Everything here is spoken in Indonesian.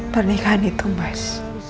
pernikahan itu mas